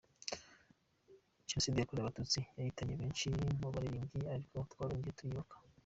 Jenoside yakorewe Abatutsi yahitanye benshi mu baririmbyi, ariko twarongeye turiyubaka .